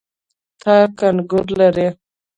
تاک انګور لري.